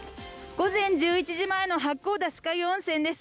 午前１１時前の八甲田山酸ヶ湯温泉です。